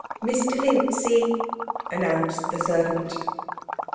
'Mr Vincy,' announced the servant.